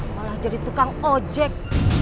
malah jadi tukang ojek